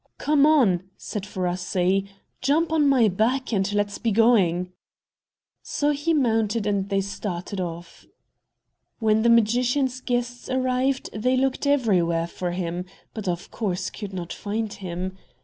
"Come on," said Faaraasee; "jump on my back and let's be going." So he mounted and they started off. When the magician's guests arrived they looked everywhere for him, but, of course, could not find him.